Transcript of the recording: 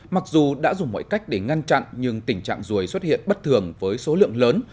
mặc dù đã dùng mọi cách để ngăn chặn nhưng tình trạng ruồi xuất hiện bất thường với số lượng lớn